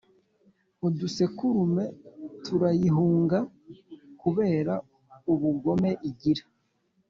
Udusekurume turayihunga kubera ubugome igira